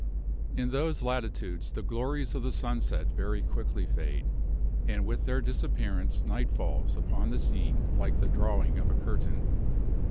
In those latitudes the glories of the sunset very quickly fade, and with their disappearance night falls upon the scene like the drawing of a curtain.